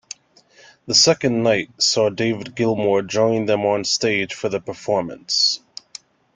The second night saw David Gilmour join them onstage for the performance.